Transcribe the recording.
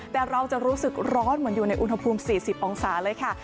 แต่เราจะรู้สึกร้อนเหมือนอยู่ในอุณหภูมิ๔๐องศาเลยค่ะ